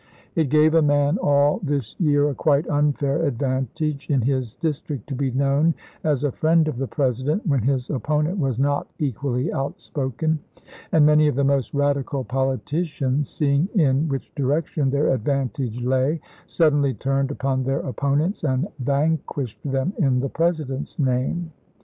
It gave a man all this year a quite unfair advantage in his district to be known as a friend of the President, when his opponent was not equally outspoken ; and many of the most radical poli ticians, seeing in which direction their advantage lay, suddenly turned upon their opponents and vanquished them in the President's name.